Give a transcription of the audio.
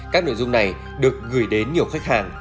các nội dung này được gửi đến nhiều khách hàng